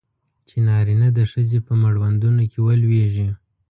چې نارینه د ښځې په مړوندونو کې ولویږي.